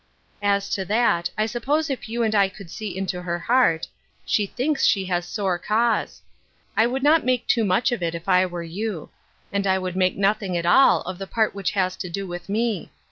" As to that, I suppose if you and I could see into her heart, she thinks she has sore cause. I would not make too much of it, if I were you ; and I would make nothing at all of the part which has to do with me.